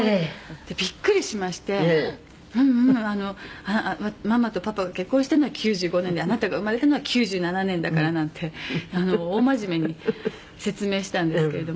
「でびっくりしまして“ううん。ママとパパが結婚したのは１９９５年であなたが生まれたのは１９９７年だから”なんて大真面目に説明したんですけれども」